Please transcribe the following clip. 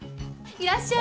いらっしゃい。